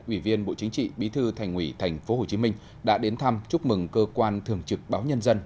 ủy viên bộ chính trị bí thư thành ủy tp hcm đã đến thăm chúc mừng cơ quan thường trực báo nhân dân